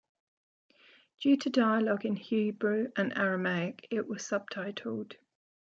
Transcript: Due to dialogue in Hebrew and Aramaic, it was subtitled.